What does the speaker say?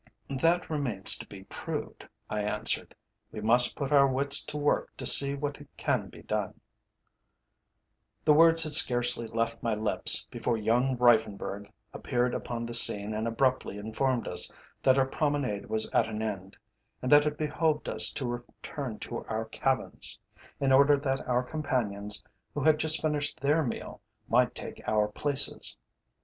"That remains to be proved," I answered. "We must put our wits to work to see what can be done." The words had scarcely left my lips, before young Reiffenburg appeared upon the scene and abruptly informed us that our promenade was at an end, and that it behoved us to return to our cabins, in order that our companions, who had just finished their meal, might take our places.